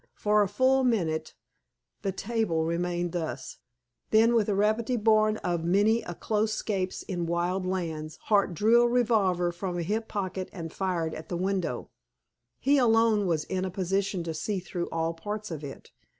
For a full minute the tableau remained thus. Then, with a rapidity born of many a close 'scape in wild lands, Hart drew a revolver from a hip pocket, and fired at the window. He alone was in a position to see through all parts of it.